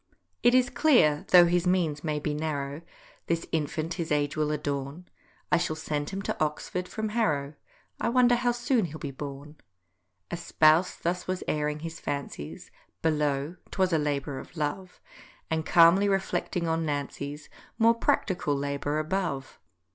It is clear, though his means may be narrow, This infant his age will adorn; I shall send him to Oxford from Harrow— I wonder how soon he'll be born. A spouse thus was airing his fancies Below—'twas a labour of love— And calmly reflecting on Nancy's More practical labour above.